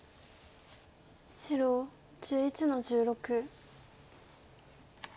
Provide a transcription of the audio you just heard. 白１１の十六。